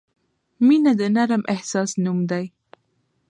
• مینه د نرم احساس نوم دی.